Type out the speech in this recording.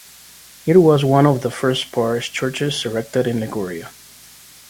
It was one of the first parish churches erected in Liguria.